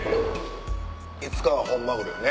いつかは本マグロよね。